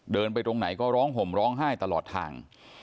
เดินไปตรงไหนก็ร้องห่มร้องไห้ตลอดทาง